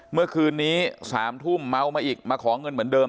เมื่อคืนนี้๓ทุ่มเมามาอีกมาขอเงินเหมือนเดิม